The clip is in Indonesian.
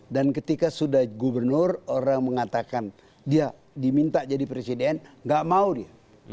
dan ketika sudah gubernur orang mengatakan dia diminta jadi presiden tidak mau dia